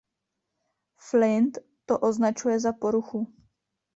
Flint to označuje za poruchu.